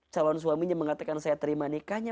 calon suaminya mengatakan saya terima nikahnya